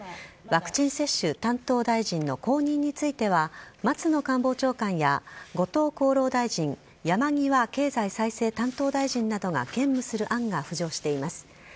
ワクチン接種担当大臣の後任については松野官房長官や後藤厚労大臣山際経済再生担当大臣などが兼務する案が浮上しています。